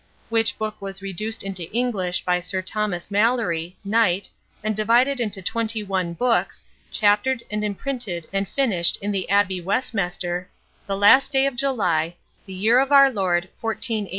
Which book was reduced into English by Sir Thomas Mallory, Knight, and divided into twenty one books, chaptered and imprinted and finished in the Abbey Westmestre, the last day of July, the year of our Lord MCCCCLXXXV.